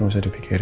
gak usah dipikirin